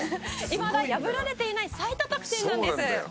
「いまだ破られていない最多得点なんです」